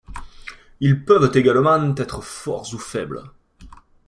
Ils peuvent également être forts ou faibles.